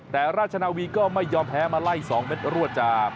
แต่ราชนาวีก็ไม่ยอมแพ้มาไล่๒เม็ดรวดจาก